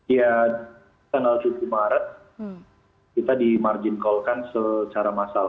ya tanggal tujuh maret kita dimargin call kan secara massal